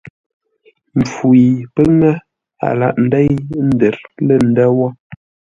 Mpfu yi pə́ ŋə́, a lâghʼ ńdéi ńdə̌r lə̂ ndə̂ wə̂.